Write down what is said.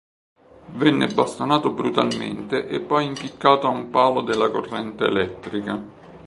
Venne bastonato brutalmente e poi impiccato a un palo della corrente elettrica.